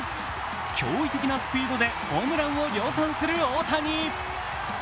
驚異的なスピードでホームランを量産する大谷。